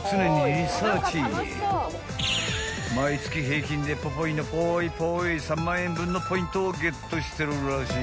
［毎月平均でポポイのポーイポーイ３万円分のポイントをゲットしてるらしい］